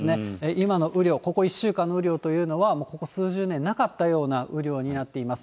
今の雨量、ここ１週間の雨量というのは、もうここ数十年なかったような雨量になっています。